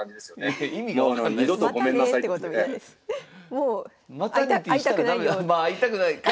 もう会いたくないよ。